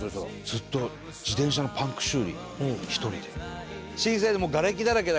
ずっと自転車のパンク修理１人で。